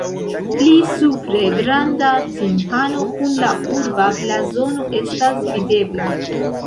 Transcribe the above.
Pli supre granda timpano kun la urba blazono estas videbla.